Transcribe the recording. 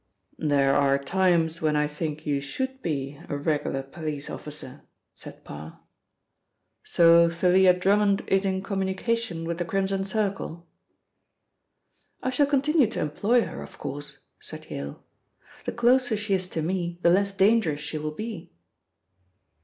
"There are times when I think you should be a regular police officer," said Parr. "So Thalia Drummond is in communication with the Crimson Circle?" "I shall continue to employ her, of course," said Yale. "The closer she is to me, the less dangerous she will be."